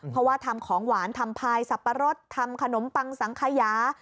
เพราะว่าทำของหวานทำพายสับปะรดทำขนมปังสังขยา